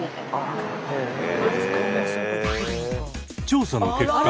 調査の結果